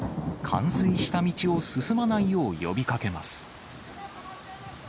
冠水した道を進まないよう呼びかけます。